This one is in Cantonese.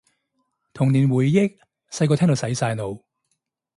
童年回憶，細個聽到洗晒腦